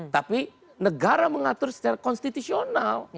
tapi negara mengatur secara konstitusional